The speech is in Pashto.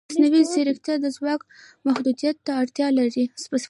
مصنوعي ځیرکتیا د ځواک محدودیت ته اړتیا لري.